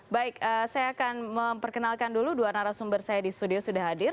baik saya akan memperkenalkan dulu dua narasumber saya di studio sudah hadir